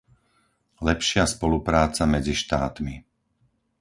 lepšia spolupráca medzi štátmi,